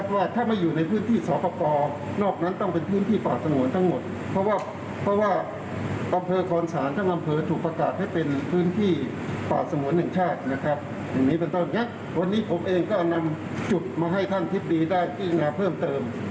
วันนี้ผมเองก็นำจุดมาให้ท่านทิบดีได้พิจารณาเพิ่มเติม